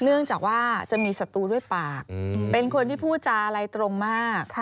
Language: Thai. เนื่องจากว่าจะมีศัตรูด้วยปากเป็นคนที่พูดจาอะไรตรงมาก